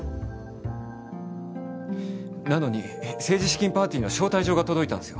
なのに政治資金パーティーの招待状が届いたんすよ